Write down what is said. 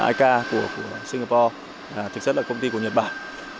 ikea của singapore thực sự là công ty của nhật bản